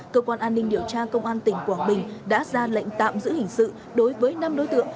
cơ quan an ninh điều tra công an tỉnh quảng bình đã ra lệnh tạm giữ hình sự đối với năm đối tượng